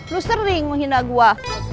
lu sering menghina gua